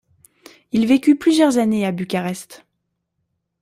Il vécut plusieurs années à Bucarest.